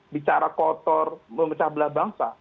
bicara kotor memecah belah bangsa